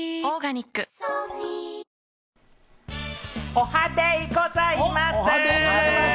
おはデイございますぅ！